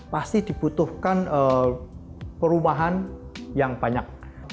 pasti dibutuhkan perumahan yang banyak